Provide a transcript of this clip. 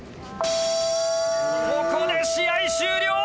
ここで試合終了。